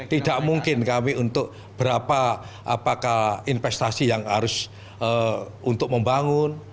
tidak mungkin kami untuk berapa apakah investasi yang harus untuk membangun